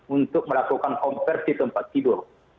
untuk melakukan konversi tempat tidur